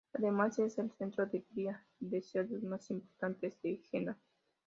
Además es el centro de cría de cerdos más importante de Henan.